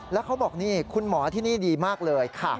แล้วเขาบอกนี่คุณหมอที่นี่ดีมากเลยค่ะ